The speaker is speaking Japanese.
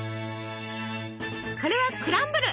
これはクランブル。